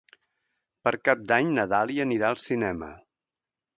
Per Cap d'Any na Dàlia anirà al cinema.